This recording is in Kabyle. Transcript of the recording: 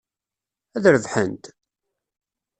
Ad rebḥent?